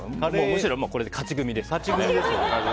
むしろこれで勝ち組です。